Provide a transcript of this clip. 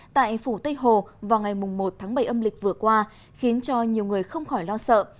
tại phủ tây hồ vào ngày một tháng bảy âm lịch vừa qua khiến cho nhiều người không khỏi lo sợ